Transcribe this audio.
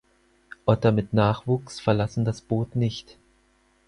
Otter mit Nachwuchs verlassen das Boot nicht.